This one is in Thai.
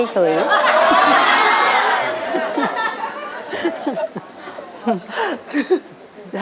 ไม่ได้เตรียมเลย